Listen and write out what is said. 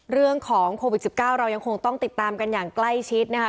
เรื่องของโควิด๑๙เรายังคงต้องติดตามกันอย่างใกล้ชิดนะคะ